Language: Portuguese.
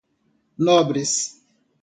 Nobres